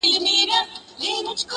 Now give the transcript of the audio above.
• دی په خوب کي لا پاچا د پېښور دی,